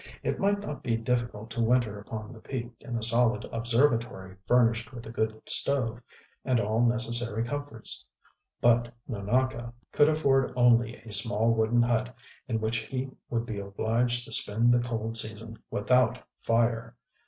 It might not be difficult to winter upon the peak in a solid observatory furnished with a good stove, and all necessary comforts; but Nonaka could afford only a small wooden hut, in which he would be obliged to spend the cold season without fire!